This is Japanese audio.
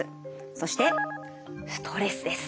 そしてストレスです。